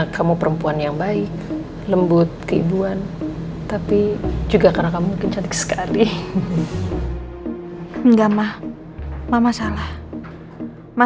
sampai jumpa di video selanjutnya